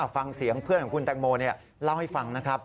ฟังเสียงเพื่อนของคุณแตงโมเล่าให้ฟังนะครับ